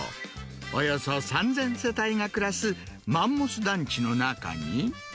およそ３０００世帯が暮らすマンモス団地の中に。